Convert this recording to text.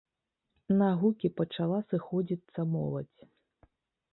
На гукі пачала сыходзіцца моладзь.